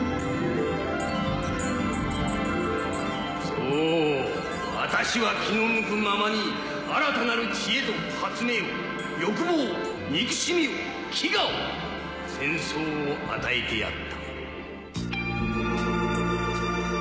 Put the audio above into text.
そう私は気の向くままに新たなる知恵と発明を欲望を憎しみを飢餓を戦争を与えてやった。